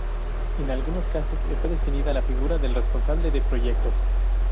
En algunos casos está definida la figura del responsable de proyectos.